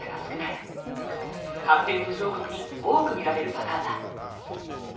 発展途上国に多く見られるパターンだ。